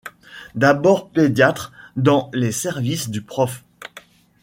D'abord pédiatre dans les services du Prof.